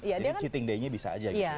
jadi cheating day nya bisa aja gitu ya